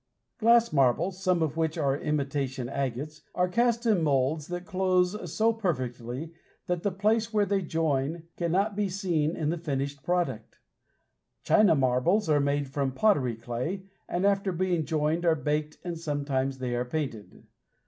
Glass marbles, some of which are imitation agates, are cast in moulds that close so perfectly that the place where they join cannot be seen in the finished product. China marbles are made from pottery clay, and after being joined are baked, and sometimes they are painted.